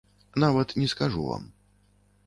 Нават не скажу вам.